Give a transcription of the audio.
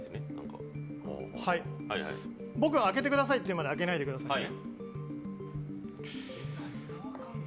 僕が開けてくださいと言うまで開けないでくださいね。